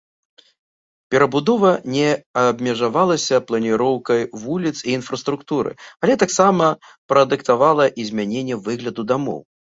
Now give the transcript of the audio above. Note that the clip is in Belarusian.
Перабудова не абмежавалася планіроўкай вуліц і інфраструктуры, але таксама прадыктавала і змяненне выгляду дамоў.